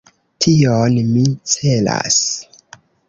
Tion mi celas.